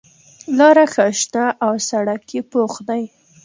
لاره ښه شنه او سړک یې پوخ دی.